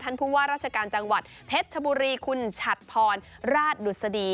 ผู้ว่าราชการจังหวัดเพชรชบุรีคุณฉัดพรราชดุษฎี